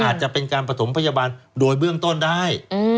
อาจจะเป็นการประถมพยาบาลโดยเบื้องต้นได้